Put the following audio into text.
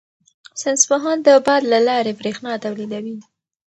ساینس پوهان د باد له لارې بریښنا تولیدوي.